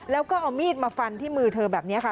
แล้วก็เอามีดมาฟันที่มือเธอแบบนี้ค่ะ